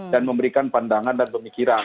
dan memberikan pandangan dan pemikiran